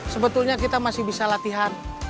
sebetulnya kita masih bisa latihan